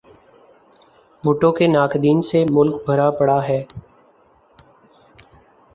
بھٹو کے ناقدین سے ملک بھرا پڑا ہے۔